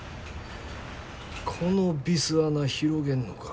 このビス穴広げんのか。